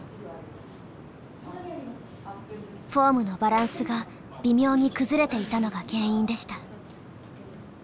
フォームのバランスが微妙に崩れていたのが原因でした。